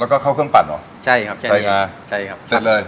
แล้วก็เข้าเครื่องปั่นเหรอ